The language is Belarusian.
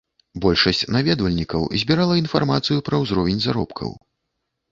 Большасць наведвальнікаў збірала інфармацыю пра ўзровень заробкаў.